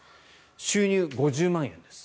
収入５０万円です。